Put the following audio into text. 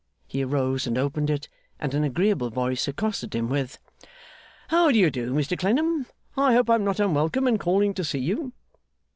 He arose and opened it, and an agreeable voice accosted him with 'How do you do, Mr Clennam? I hope I am not unwelcome in calling to see you.